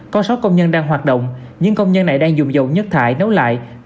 con sót công nhân đang hoạt động nhưng công nhân này đang dùng dầu nhất thải nấu lại